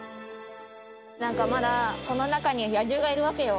まだ、この中に野獣がいるわけよ。